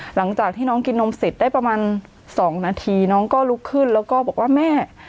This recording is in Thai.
หลังจากที่น้องกินนมเสร็จได้ประมาณ๒นาทีน้องก็ลุกขึ้นแล้วก็บอกว่าแม่